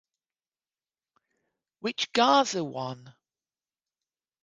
Which Garza won.